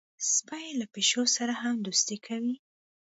سپي له پیشو سره هم دوستي کوي.